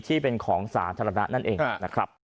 ที่เป็นของสาธารณะนั่นเองนะครับ